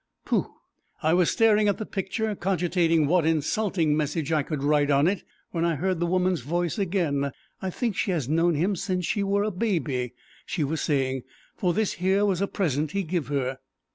Pooh! I was staring at the picture, cogitating what insulting message I could write on it, when I heard the woman's voice again. "I think she has known him since she were a babby," she was saying, "for this here was a present he give her."